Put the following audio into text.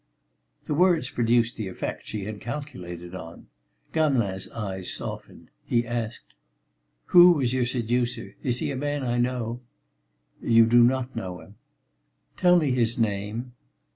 The words produced the effect she had calculated on. Gamelin's eyes softened. He asked: "Who was your seducer? Is he a man I know?" "You do not know him." "Tell me his name."